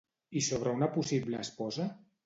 I sobre una possible esposa?